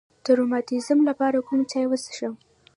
د روماتیزم لپاره کوم چای وڅښم؟